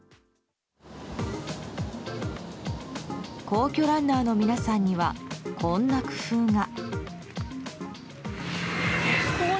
皇居ランナーの皆さんにはこんな工夫が。